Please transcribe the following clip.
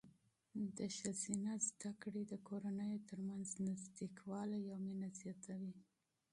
د ښځینه تعلیم د کورنیو ترمنځ نږدېوالی او مینه زیاتوي.